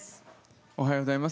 おはようございます。